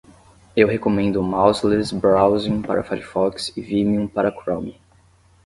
Eu recomendo Mouseless Browsing para Firefox e Vimium para Chrome.